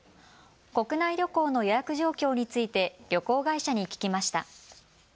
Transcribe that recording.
国内旅行の予約状況について旅行会社に聞きました。